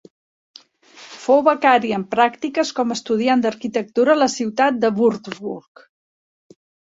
Fou becari en pràctiques, com estudiant d'arquitectura a la ciutat de Würzburg.